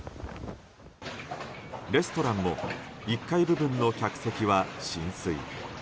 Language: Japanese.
レストランも１階部分の客席は浸水。